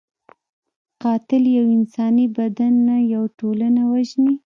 قاتل یو انساني بدن نه، یو ټولنه وژني